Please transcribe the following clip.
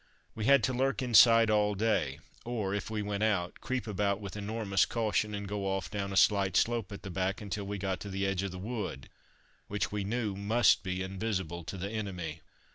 We had to lurk inside all day, or if we went out, creep about with enormous caution, and go off down a slight slope at the back until we got to the edge of the wood which we knew must be invisible to the enemy.